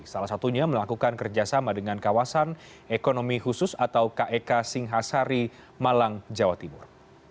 salah satunya melakukan kerjasama dengan kawasan ekonomi khusus atau kek singhasari malang jawa timur